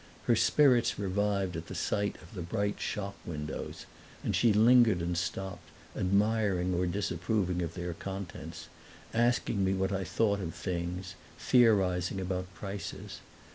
Her spirits revived at the sight of the bright shop windows, and she lingered and stopped, admiring or disapproving of their contents, asking me what I thought of things, theorizing about prices.